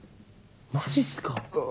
マジっすか？